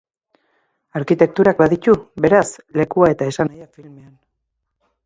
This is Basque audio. Arkitekturak baditu, beraz, lekua eta esanahia filmean.